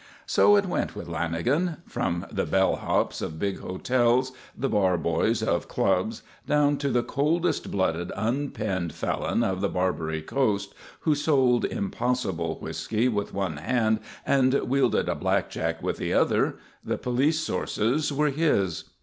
So it went with Lanagan; from the "bell hops" of big hotels, the bar boys of clubs, down to the coldest blooded unpenned felon of the Barbary Coast who sold impossible whiskey with one hand and wielded a blackjack with the other, the police sources were his.